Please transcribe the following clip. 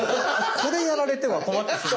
これやられては困ってしまう。